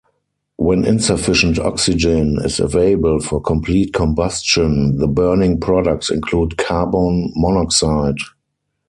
When insufficient oxygen is available for complete combustion, the burning products include carbon monoxide.